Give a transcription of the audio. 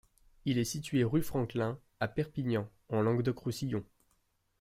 Il est situé rue Franklin, à Perpignan, en Languedoc-Roussillon.